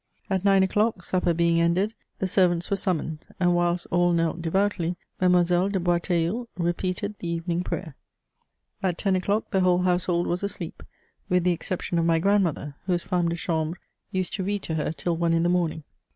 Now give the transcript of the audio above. At nine o'clock, supper being ended, the servants were summoned ; and, whilst all knelt devoutly. Mademoiselle de Boisteilleul repeated the evening prayer. At ten o'clock, the whole household was asleep, with the exception of my grand mother, whose femme de chambre used to read to her till one in the morning.